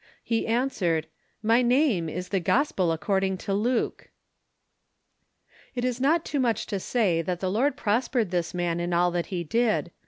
He answered, "My name is the Gospel according to Luke!" It is not too much to say that the Lord prospered this man in all that he did.